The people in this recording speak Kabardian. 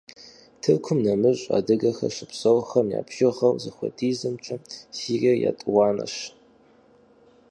Тыркум нэмыщӀ адыгэхэр щыпсэухэм я бжыгъэр зыхуэдизымкӀэ Сириер етӀуанэщ.